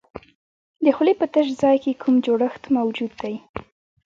د خولې په تش ځای کې کوم جوړښت موجود دی؟